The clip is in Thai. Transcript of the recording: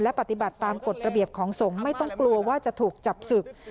ปฏิบัติตามกฎระเบียบของสงฆ์ไม่ต้องกลัวว่าจะถูกจับศึก